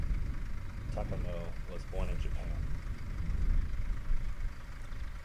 Takano was born in Japan.